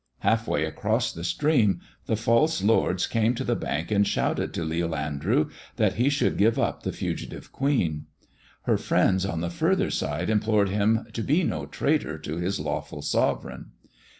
Half way across the stream, the false lords came to the bank and shouted to Leal Andrew that he should give up the fugitive Queen. Her friends on the further side implored him to be no traitor to his lawful sovereign.